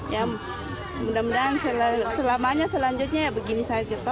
ya mudah mudahan selamanya selanjutnya ya begini saja